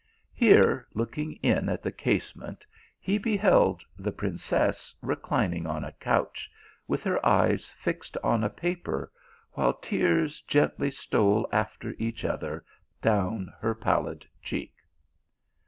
Here, looking in at the casement, he be held the princess reclining on a couch, with her eyes fixed on a paper, while tears gently stole after each other down her pallid cheek.